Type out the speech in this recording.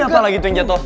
apalagi itu yang jatuh